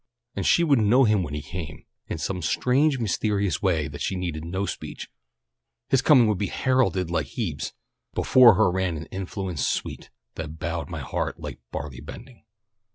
And she would know him when he came, in some strange, mysterious way that needed no speech his coming would be heralded like Hebe's: "_Before her ran an influence sweet, that bowed my heart like barley bending.